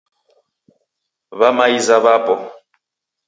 W'amaiza w'apo.